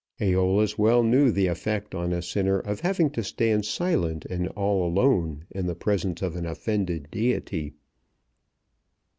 Æolus well knew the effect on a sinner of having to stand silent and all alone in the presence of an offended deity.